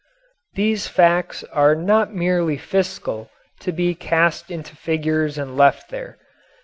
These facts are not merely fiscal, to be cast into figures and left there.